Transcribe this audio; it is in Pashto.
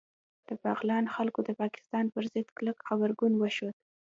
د بغلان خلکو د پاکستان پر ضد کلک غبرګون وښود